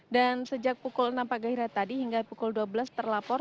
dan sejak pukul enam pagi akhirnya tadi hingga pukul dua belas terlapor